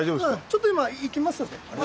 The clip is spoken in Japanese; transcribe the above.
ちょっと今行きます。